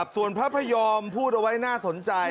ส่วนพระพยอมพูดเอาไว้น่าสนใจ